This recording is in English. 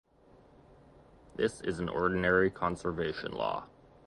This is an ordinary conservation law.